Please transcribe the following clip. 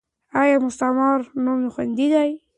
ایا مستعار نوم خوندي دی؟